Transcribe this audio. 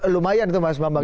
lumayan itu mas mbak mbak